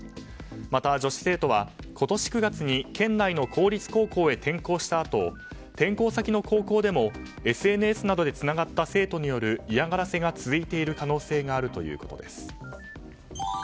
また、女子生徒は今年９月に県内の公立高校へ転校したあと転校先の高校でもＳＮＳなどでつながった生徒による嫌がらせが続いている可能性があるということです。